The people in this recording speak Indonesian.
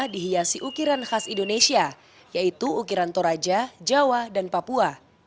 dihiasi ukiran khas indonesia yaitu ukiran toraja jawa dan papua